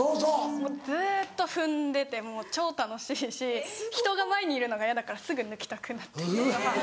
もうずっと踏んでてもう超楽しいし人が前にいるのが嫌だからすぐ抜きたくなって。